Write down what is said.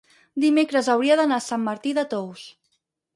dimecres hauria d'anar a Sant Martí de Tous.